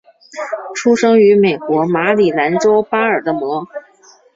出生于美国马里兰州巴尔的摩。